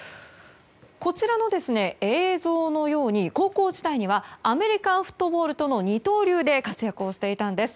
こちらの映像のように高校時代にはアメリカンフットボールとの二刀流で活躍をしていたんです。